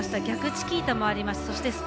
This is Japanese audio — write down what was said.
逆チキータもありました。